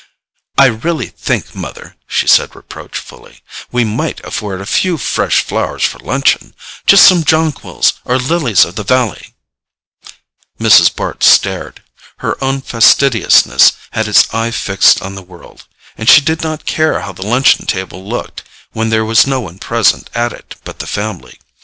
"I really think, mother," she said reproachfully, "we might afford a few fresh flowers for luncheon. Just some jonquils or lilies of the valley—" Mrs. Bart stared. Her own fastidiousness had its eye fixed on the world, and she did not care how the luncheon table looked when there was no one present at it but the family.